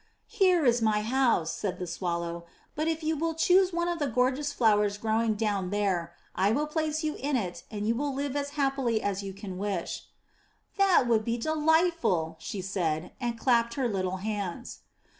'*Here is my house,'' said the Swallow; '*but if you will choose one of the gorgeous flowers growing down 428 UP ONE PAIR OF STAIRS there, I will place you in it, and you will live as happily as you can wish/' 'That would be delightful/' she said, and clapped her little hands.